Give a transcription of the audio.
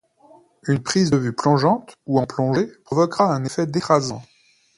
Une prise de vue plongeante ou en plongée provoquera un effet d'écrasement.